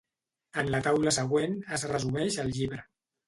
En la taula següent es resumeix el llibre.